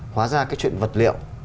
hóa ra cái chuyện vật liệu